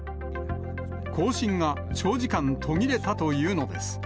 交信が長時間途切れたというのです。